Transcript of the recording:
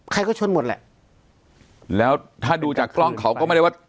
ใครก็ชนหมดแหละแล้วถ้าดูจากกล้องเขาก็ไม่ได้ว่า